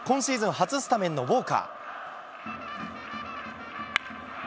初スタメンのウォーカー。